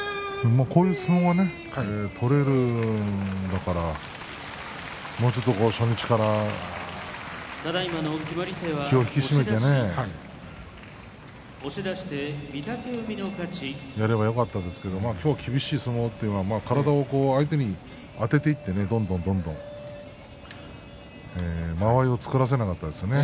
こういう相撲が取れるんだからもうちょっと初日から気を引き締めてやればよかったんですけど今日は厳しい相撲というか体を相手にあてていってどんどんどんどん間合いを作らせなかったですね